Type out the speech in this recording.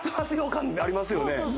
感ありますよね